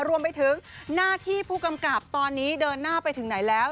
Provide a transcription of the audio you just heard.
รวมไปถึงหน้าที่ผู้กำกับตอนนี้เดินหน้าไปถึงไหนแล้ว